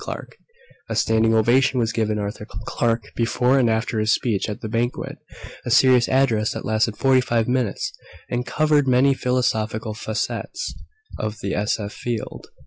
Clarke. A standing ovation was given Arthur Clarke before and after his speech at the Banquet, a serious address that lasted forty five minutes and covered many philosophical facets of the s.f. field.